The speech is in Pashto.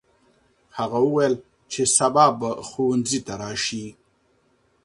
هغه وویل چې سبا به ښوونځي ته راسې.